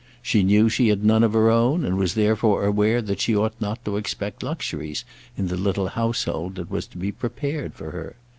She knew she had none of her own, and was therefore aware that she ought not to expect luxuries in the little household that was to be prepared for her.